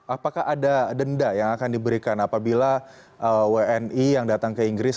apakah ada denda yang akan diberikan apabila wni yang datang ke inggris